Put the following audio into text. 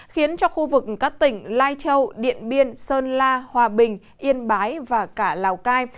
khiến cho khu vực các tỉnh lai châu điện biên sơn la hòa bình yên bái và cả lào cai